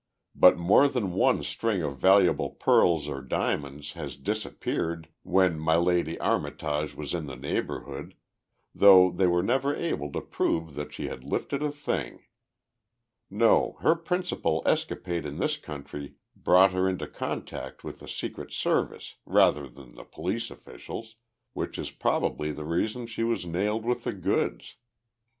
But more than one string of valuable pearls or diamonds has disappeared when milady Armitage was in the neighborhood though they were never able to prove that she had lifted a thing. No, her principal escapade in this country brought her into contact with the Secret Service, rather than the police officials which is probably the reason she was nailed with the goods.